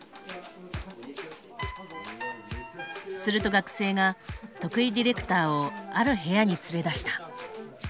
すると学生が徳井ディレクターをある部屋に連れ出した。